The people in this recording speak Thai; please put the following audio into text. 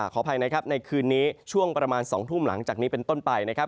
ขออภัยนะครับในคืนนี้ช่วงประมาณ๒ทุ่มหลังจากนี้เป็นต้นไปนะครับ